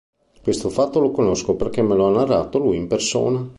Questo fatto lo conosco perché me lo ha narrato lui in persona".